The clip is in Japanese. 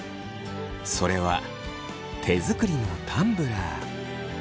それは手作りのタンブラー。